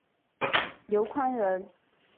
刘宽人。